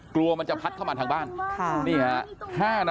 กลัวว่ามันจะภัดเข้ามาทางบ้าน